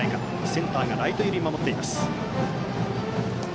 センターがライト寄りに守っています。